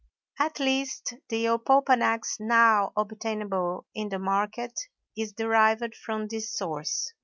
At least the opopanax now obtainable in the market is derived from this source.